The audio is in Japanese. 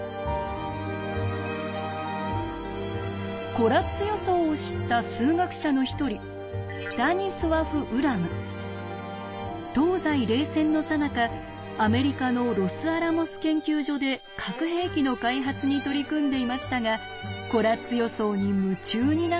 コラッツ予想を知った数学者の一人東西冷戦のさなかアメリカのロスアラモス研究所で核兵器の開発に取り組んでいましたがコラッツ予想に夢中になってしまいます。